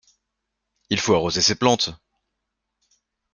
Il faut arroser ces plantes.